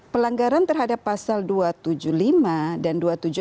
pelanggaran terhadap pasal dua ratus tujuh puluh lima dan dua ratus tujuh puluh delapan